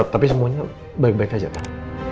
tapi semuanya baik baik aja pak